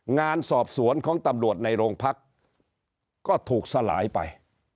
งานสอบสวนของตำรวจในโรงพักก็ถูกสลายไป